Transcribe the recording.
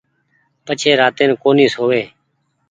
پڇي راتين ڪون سووي